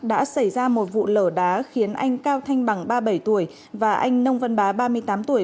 đã xảy ra một vụ lở đá khiến anh cao thanh bằng ba mươi bảy tuổi và anh nông văn bá ba mươi tám tuổi